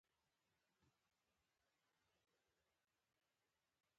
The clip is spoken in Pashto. ناجیه سمدستي په ځواب کې وویل